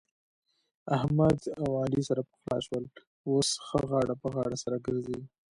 احمد اوعلي سره پخلا سول. اوس ښه غاړه په غاړه سره ګرځي.